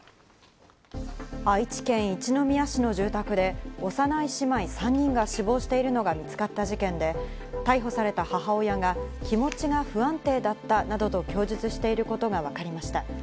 愛知県一宮市の住宅で幼い姉妹３人が死亡しているのが見つかった事件で、逮捕された母親が気持ちが不安定だったなどと供述していることがわかりました。